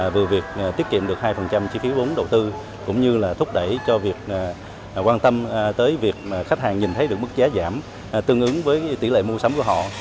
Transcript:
vừa việc tiết kiệm được hai chi phí vốn đầu tư cũng như là thúc đẩy cho việc quan tâm tới việc khách hàng nhìn thấy được mức giá giảm tương ứng với tỷ lệ mua sắm của họ